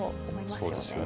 そうですよね。